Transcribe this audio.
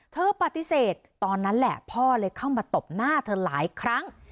เธอปฏิเสธตอนนั้นแหละพ่อเลยเข้ามาตบหน้าเธอหลายครั้ง